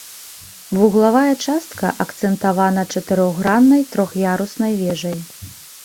Вуглавая частка акцэнтавана чатырохграннай трох'яруснай вежай.